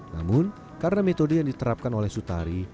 namun karena metode yang diterapkan oleh sutari